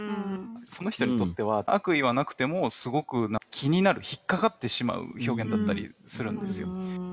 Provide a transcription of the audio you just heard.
その人にとっては悪意はなくてもすごく気になる引っかかってしまう表現だったりするんですよ。